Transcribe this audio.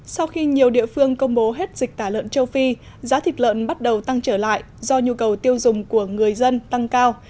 sau khi nhiều địa phương công bố hết dịch tả lợn châu phi giá thịt lợn bắt đầu tăng trở lại do nhu cầu tiêu dùng của người dân tăng cao